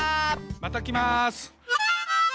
またきます！